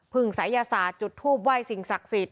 พึ่งสายยาศาสตร์จุดทูปวัยสิงห์ศักดิ์สิทธิ์